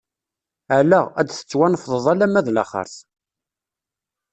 Ala, ad d-tettwanefḍeḍ alamma d laxeṛt!